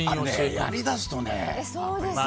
やりだすとね。